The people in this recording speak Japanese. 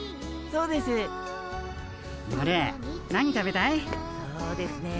そうですね。